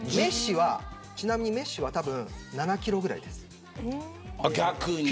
ちなみにメッシはたぶん７キロぐらいです。